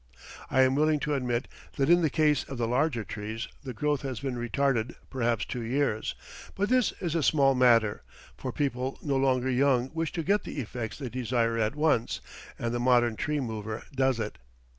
I am willing to admit that in the case of the larger trees the growth has been retarded perhaps two years, but this is a small matter, for people no longer young wish to get the effects they desire at once, and the modern tree mover does it.